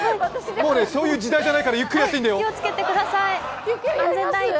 もうそういう時代じゃないからゆっくりやっていいんだよ。